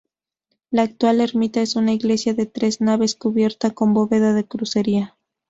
La actual ermita es una iglesia de tres naves, cubierta con bóveda de crucería.